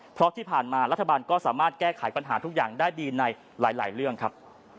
เพราะที่ผ่านมารัฐบาลก็สามารถแก้ไขปัญหาทุกอย่างได้ดีในหลายเรื่องครับ